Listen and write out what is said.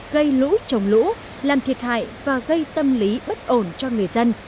gây lũ trồng lũ làm thiệt hại và gây tâm lý bất ổn cho người dân